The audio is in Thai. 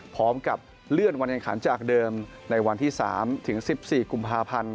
พร้อมกับเลื่อนวันแข่งขันจากเดิมในวันที่๓ถึง๑๔กุมภาพันธ์